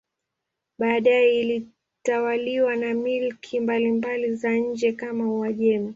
Baadaye ilitawaliwa na milki mbalimbali za nje kama Uajemi.